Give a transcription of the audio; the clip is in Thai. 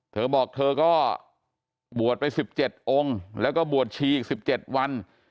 เธอบอกเธอก็บวชไป๑๗องค์แล้วก็บวชชีอีก๑๗วัน